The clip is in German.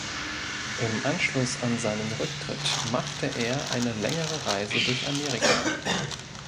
Im Anschluss an seinen Rücktritt machte er eine längere Reise durch Amerika.